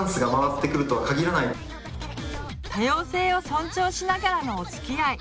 多様性を尊重しながらのおつきあい。